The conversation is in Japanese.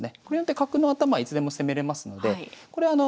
これによって角の頭いつでも攻めれますのでこれ